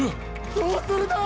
どうするだぁ！？